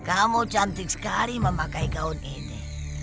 kamu cantik sekali memakai gaun ini